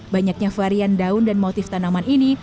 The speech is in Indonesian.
banyaknya varian daun dan motif tanaman ini